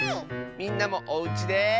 みんなもおうちで。